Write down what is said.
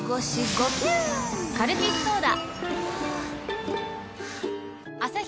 カルピスソーダ！